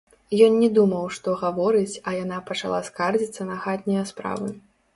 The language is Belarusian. Ён не думаў, што гаворыць, а яна пачала скардзіцца на хатнія справы.